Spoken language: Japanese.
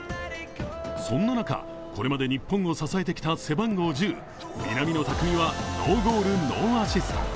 そんな中、これまで日本を支えてきた背番号１０、南野拓実はノーゴール、ノーアシスト。